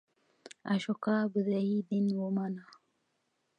اشوکا بودایی دین ومانه.